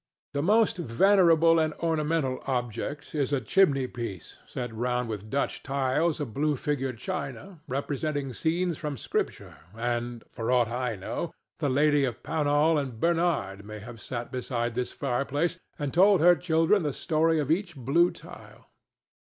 The most venerable and ornamental object is a chimney piece set round with Dutch tiles of blue figured china, representing scenes from Scripture, and, for aught I know, the lady of Pownall or Bernard may have sat beside this fireplace and told her children the story of each blue tile.